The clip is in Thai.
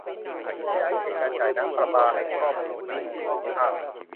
ขยายเขตการจ่ายน้ำประปาให้ครอบคลุมพื้นที่ภูมิภาค